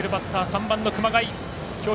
３番の熊谷。